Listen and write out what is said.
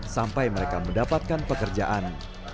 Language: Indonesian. sampai mereka mendapatkan pekerjaan